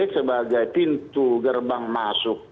sebagai pintu gerbang masuk